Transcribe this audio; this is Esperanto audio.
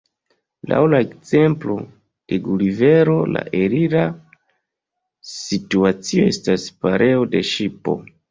Laŭ la ekzemplo de Gulivero la elira situacio estas pereo de ŝipo.